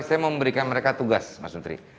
saya mau memberikan mereka tugas mas menteri